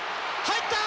入った！